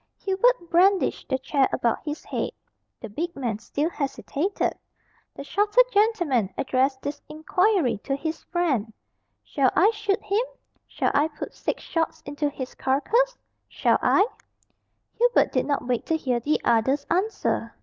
Hubert brandished the chair about his head. The big man still hesitated. The shorter gentleman addressed this inquiry to his friend, "Shall I shoot him? Shall I put six shots into his carcass shall I?" Hubert did not wait to hear the other's answer.